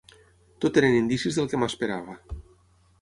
Tot eren indicis del que m'esperava.